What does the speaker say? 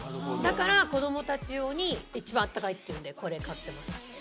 だから、子どもたち用に一番あったかいっていうんで、これ買ってます。